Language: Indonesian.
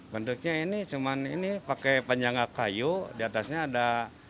bentuknya ini cuma ini pakai penjaga kayu diatasnya ada